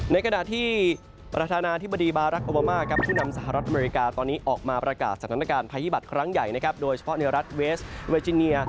ในขณะที่ประธานาธิบดีบารักษ์โอบามาครับผู้นำสหรัฐอเมริกาตอนนี้ออกมาประกาศสถานการณ์ภัยพิบัตรครั้งใหญ่นะครับโดยเฉพาะในรัฐเวสเวจิเนีย